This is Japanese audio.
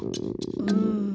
うん。